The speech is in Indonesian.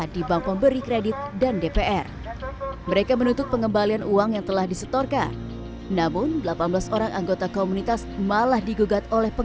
dan kegiatan kekejangan perubahan di sekolah ini dan kekejangan perubahan di sekolah ini